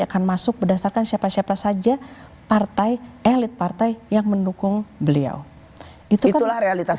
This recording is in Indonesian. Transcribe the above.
akan masuk berdasarkan siapa siapa saja partai elit partai yang mendukung beliau itulah realitas